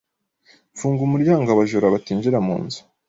Funga umuryango abajura batinjira munzu